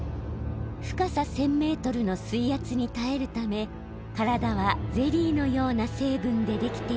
深さ１，０００メートルの水圧にたえるためからだはゼリーのような成分でできています。